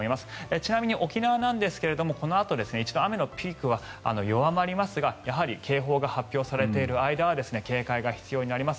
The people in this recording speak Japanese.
ちなみに沖縄なんですがこのあと雨のピークは一度弱まりますがやはり警報が発表されている間は警戒が必要になります。